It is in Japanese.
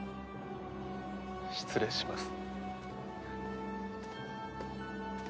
失礼します。